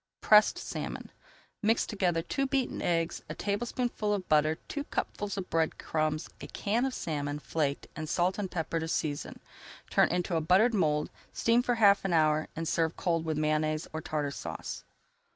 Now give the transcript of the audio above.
PRESSED SALMON Mix together two beaten eggs, a tablespoonful of butter, two cupfuls of bread crumbs, a can of salmon, flaked, and salt and pepper to [Page 303] season, turn into a buttered mould, steam for half an hour, and serve cold with Mayonnaise or Tartar Sauce.